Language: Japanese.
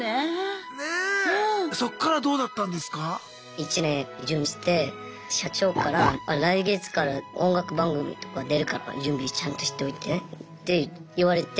１年準備して社長から来月から音楽番組とか出るから準備ちゃんとしておいてって言われて。